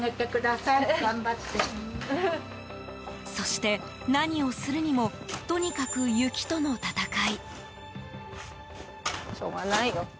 そして、何をするにもとにかく雪との闘い。